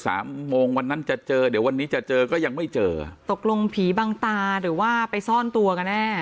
สามโมงวันนั้นจะเจอเดี๋ยววันนี้จะเจอก็ยังไม่เจอตกลงผีบังตาหรือว่าไปซ่อนตัวกันแน่